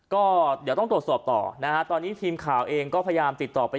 ก็เดี๋ยวต้องตรวจสอบต่อนะฮะตอนนี้ทีมข่าวเองก็พยายามติดต่อไป